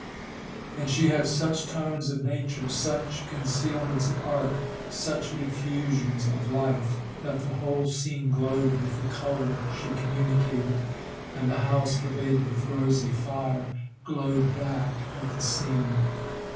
And she had such tones of nature, such concealments of art, such effusions of life, that the whole scene glowed with the colour she communicated, and the house, pervaded with rosy fire, glowed back at the scene.